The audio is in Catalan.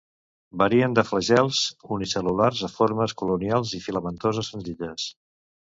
Varien de flagels unicel·lulars a formes colonials i filamentoses senzilles.